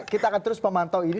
kita akan terus memantau ini